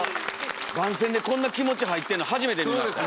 番宣でこんな気持ち入ってるの初めて見ました。